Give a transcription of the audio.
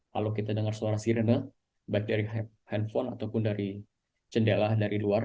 kalau kita dengar suara sirene baik dari handphone ataupun dari jendela dari luar